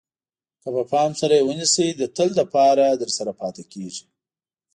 که په پام سره یې ونیسئ د تل لپاره درسره پاتې کېږي.